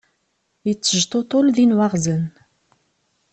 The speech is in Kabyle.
Yettejṭuṭul din waɣzen.